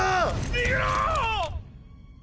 逃げろ！